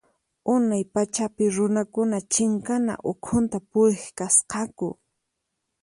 Unay pachapi runakuna chinkana ukhunta puriq kasqaku.